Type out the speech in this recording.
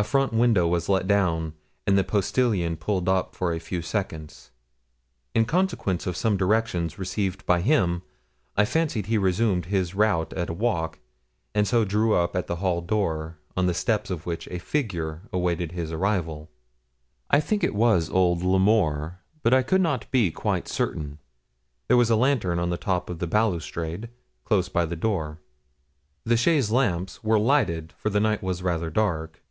A front window was let down, and the postilion pulled up for a few seconds. In consequence of some directions received by him, I fancied he resumed his route at a walk, and so drew up at the hall door, on the steps of which a figure awaited his arrival. I think it was old L'Amour, but I could not be quite certain. There was a lantern on the top of the balustrade, close by the door. The chaise lamps were lighted, for the night was rather dark.